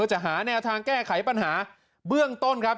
จะหาแนวทางแก้ไขปัญหาเบื้องต้นครับ